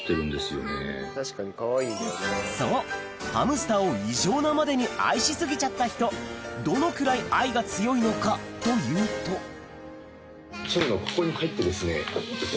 そうハムスターを異常なまでに愛し過ぎちゃった人どのくらい愛が強いのかというとここに入って。